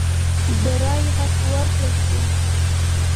د رایې حق ورکړل شي.